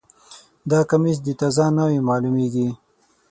دا کمیس د تازه ناوې معلومیږي